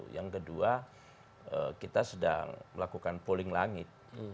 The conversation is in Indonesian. yang kedua kita sedang melakukan polling langit